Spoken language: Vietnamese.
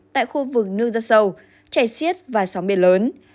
tại khu vực nước rất sâu chảy xiết và sóng biển lớn